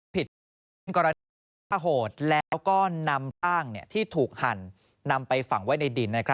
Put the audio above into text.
ผิดกรณีป้าโหดแล้วก็นำต้างที่ถูกหั่นนำไปฝั่งไว้ในดิน